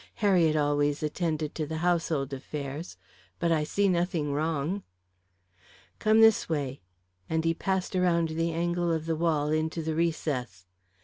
Harriet always attended to the household affairs. But I see nothing wrong." "Come this way," and he passed around the angle of the wall into the recess.